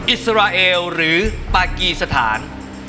อิสราเอลหรือปากีสถาน